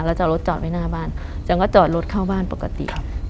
แล้วจะเอารถจอดไว้หน้าบ้านฉันก็จอดรถเข้าบ้านปกติ